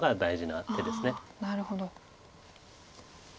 なるほど。